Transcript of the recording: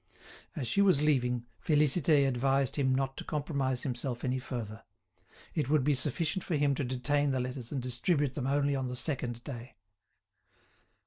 As she was leaving, Félicité advised him not to compromise himself any further. It would be sufficient for him to detain the letters and distribute them only on the second day.